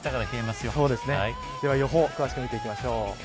では予報詳しく見ていきましょう。